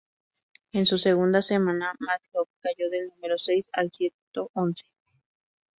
En su segunda semana, "Mad Love" cayó del número seis al ciento once.